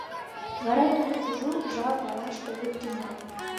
Вара тудым кужу жал палаш огыт тӱҥал.